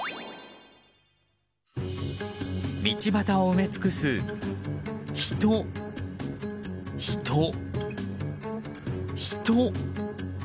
道端を埋め尽くす人、人、人。